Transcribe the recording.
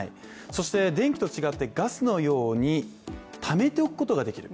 そして電気と違ってガスのように貯めておくことができる。